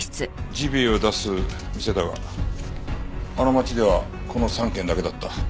ジビエを出す店だがあの町ではこの３軒だけだった。